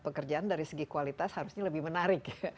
pekerjaan dari segi kualitas harusnya lebih menarik